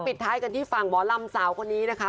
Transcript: ปิดท้ายกันที่ฝั่งหมอลำสาวคนนี้นะคะ